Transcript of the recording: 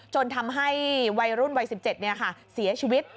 จนทำให้วัยรุ่นวัยสิบเจ็ดเนี่ยค่ะเสียชีวิต